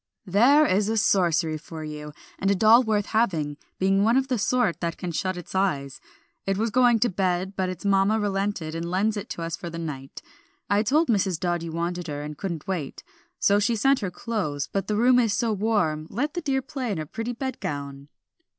"There is sorcery for you, and a doll worth having; being one of the sort that can shut its eyes; it was going to bed, but its mamma relented and lends it to us for the night. I told Mrs. Dodd you wanted her, and couldn't wait, so she sent her clothes; but the room is so warm let the dear play in her pretty bed gown."